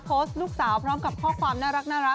โพสต์ลูกสาวพร้อมกับข้อความน่ารัก